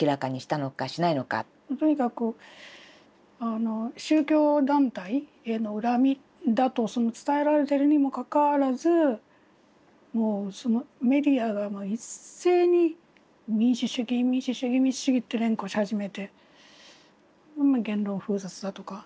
とにかく宗教団体への恨みだと伝えられてるにもかかわらずメディアが一斉に民主主義民主主義民主主義と連呼し始めて言論封殺だとか。